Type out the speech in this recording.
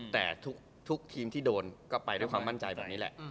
แต่ทุกทีมที่โดนก็ไปด้วยความมั่นใจแบบนี้แหละ